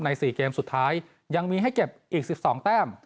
๔เกมสุดท้ายยังมีให้เก็บอีก๑๒แต้ม